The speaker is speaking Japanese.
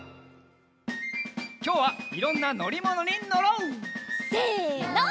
きょうはいろんなのりものにのろう！せの！